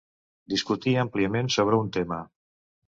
Discutí àmpliament sobre un tema.